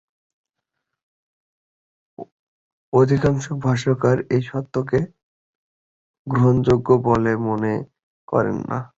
অধিকাংশ ভাষ্যকার এই তত্ত্বকে গ্রহণযোগ্য বলে মনে করেন না।